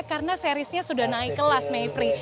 karena serisnya sudah naik kelas mevri